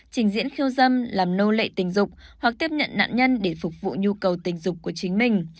trình diễn khiêu dâm làm nô lệ tình dục hoặc tiếp nhận nạn nhân để phục vụ nhu cầu tình dục của chính mình